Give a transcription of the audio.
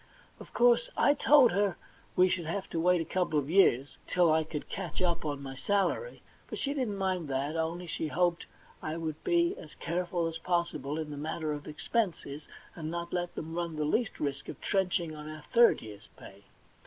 Of course I told her we should have to wait a couple of years, till I could catch up on my salary ; but she didn't mind that, only she hoped I would be as careful as possible in the matter of expenses, and not let them run the least risk of trenching on our third year's pay.